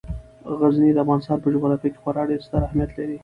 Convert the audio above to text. غزني د افغانستان په جغرافیه کې خورا ډیر ستر اهمیت لري.